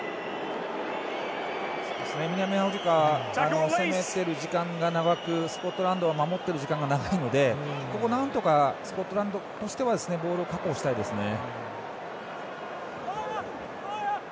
南アフリカは攻めている時間が長くスコットランドは守っている時間が長いのでここはなんとかスコットランドとしてはボールを確保したいですね。